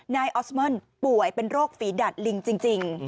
ออสเมิลป่วยเป็นโรคฝีดัดลิงจริง